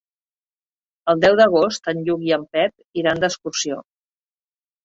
El deu d'agost en Lluc i en Pep iran d'excursió.